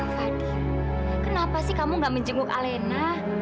fadil kenapa sih kamu nggak menjenguk alena